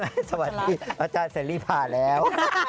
สวัสดีอาจารย์เสรีผ่าแล้ว